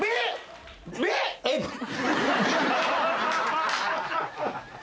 えっ？